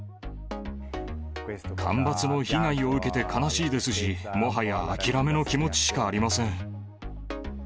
干ばつの被害を受けて悲しいですし、もはや諦めの気持ちしかありません。